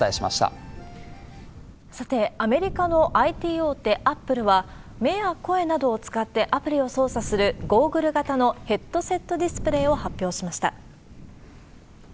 さて、アメリカのＩＴ大手、アップルは、目や声などを使ってアプリを操作するゴーグル型のヘッドセットディスプレーを発表しました。